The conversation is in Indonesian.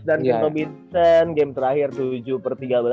d d robinsen game terakhir tujuh per tiga belas